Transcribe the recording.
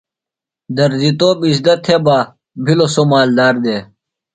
درزیۡ توپ اِزدہ تھےۡ بہ، بِھلوۡ سوۡ مالدار دےۡ